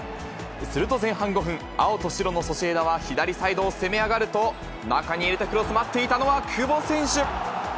すると前半５分、青と白のソシエダは、左サイドを攻め上がると、中に入れたクロスを待っていたのは久保選手。